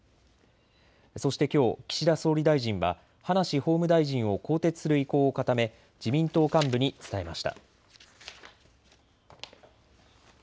そしてきょう、岸田総理大臣は葉梨法務大臣を更迭する意向を固め、自民党幹部に伝えました。